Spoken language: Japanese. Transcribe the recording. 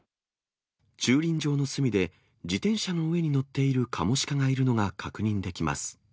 駐輪場の隅で、自転車の上に乗っているカモシカがいるのが確認できます。